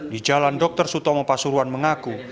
di jalan dr sutomo pasuruan mengaku